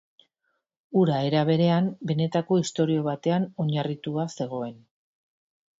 Hura, era berean, benetako istorio batean oinarritua zegoen.